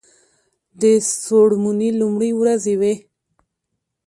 د څوړموني لومړی ورځې وې.